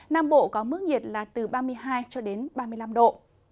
nam bộ có mức nhiệt là từ ba mươi hai ba mươi năm độ